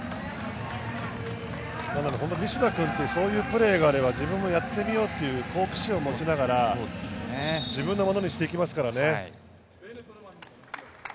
西田くんってホントにそういうプレーがあれば自分もやってみようという好奇心を持ちながら自分のものにしていきますからね。